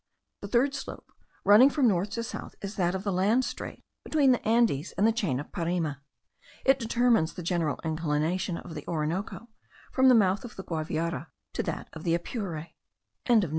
The third slope, running from north to south, is that of the land strait between the Andes and the chain of Parime. It determines the general inclination of the Orinoco, from the mouth of the Guaviare to that of the Apure.)